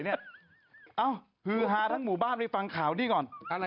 โหฮือหาทั้งหมู่บ้านไม่ฟังข่าวดีก่อน